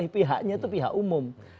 pihaknya itu pihak umum